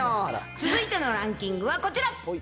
続いてのランキングはこちら。